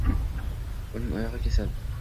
Uning oyog‘i kasal.